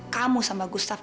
kamu sama gustaf